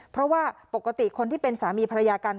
เพราะว่าปกติคนที่เป็นสามีภรรยากัน